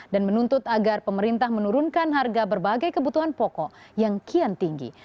dan menuntut agar pemerintah menurunkan harga berbagai kebutuhan pokok yang kian tinggi